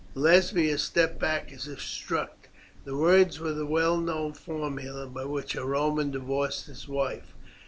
Lesbia stepped back as if struck. The words were the well known formula by which a Roman divorced his wife.